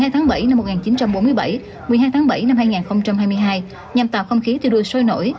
hai mươi tháng bảy năm một nghìn chín trăm bốn mươi bảy một mươi hai tháng bảy năm hai nghìn hai mươi hai nhằm tạo không khí cho đua sôi nổi